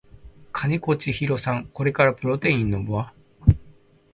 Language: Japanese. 金子千尋さんこれからプロテイン飲むわ